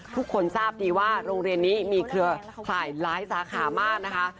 ทุกคนทราบดีว่าโรงเรียนนี้มีเครือข่ายหลายสาขามากนะคะ